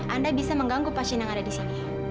anda bisa mengganggu pasien yang ada di sini